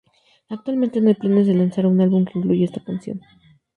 Actualmente no hay planes de lanzar un álbum que incluya esta canción.